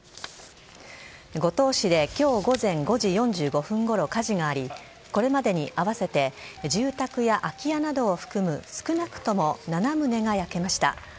五島市できょう午前５時４５分ごろ、火事があり、これまでに合わせて住宅や空き家などを含む少なくとも７棟が焼けました。